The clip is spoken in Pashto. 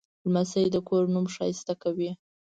لمسی د کور نوم ښایسته کوي.